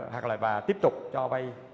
hoặc là bà tiếp tục cho vay